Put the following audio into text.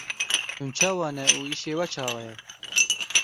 Hûn çawa ne û îşê we çawa ye?